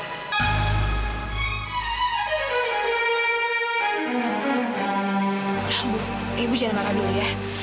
ibu jangan marah dulu ya